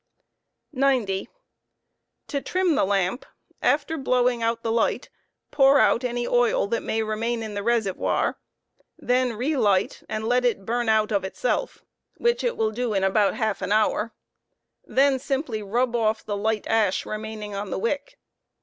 t>0. To trim the lamp, after blowing out the light pour out any oil that may remain the reservoir, then relight and let it burn out of itself, which it will do ill about half hour; then simply rub off* the light ash remaining on the wick.